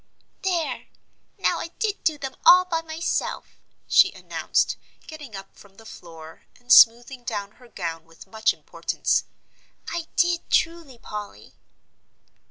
"There, now, I did do them all by myself," she announced, getting up from the floor, and smoothing down her gown with much importance. "I did truly, Polly."